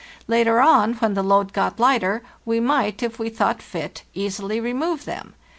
Later on, when the load got lighter, we might, if we thought fit, easily remove them.